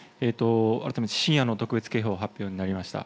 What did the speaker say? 改めて深夜の特別警報発表になりました。